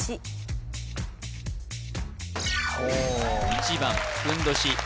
１番ふんどし